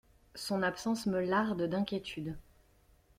Son absence me larde d’inquiétude.